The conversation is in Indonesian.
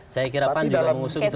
saya kira pan juga mengusung